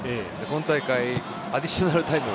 今大会、アディショナルタイム。